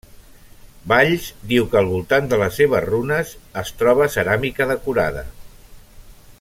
Valls diu que al voltant de les seves runes es troba ceràmica decorada.